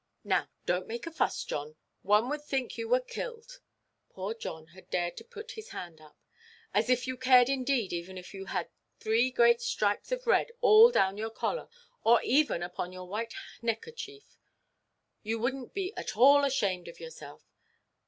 Now, donʼt make a fuss, John; one would think you were killed"—poor John had dared to put his hand up—"as if you cared indeed even if you had three great stripes of red all down your collar, or even upon your white neckerchief. You wouldnʼt be at all ashamed of yourself.